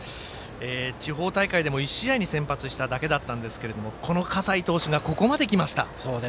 地方大会でも１試合に先発しただけでしたがこの葛西投手がここまできました。